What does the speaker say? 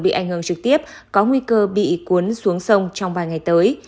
bị ảnh hưởng trực tiếp có nguy cơ bị cuốn xuống sông trong vài ngày tới